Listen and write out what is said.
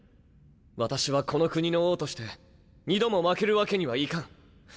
私はこの国の王として２度も負けるわけにはいかん。